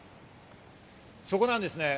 そこなんですね。